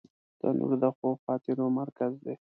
تنور د ښو خاطرو مرکز دی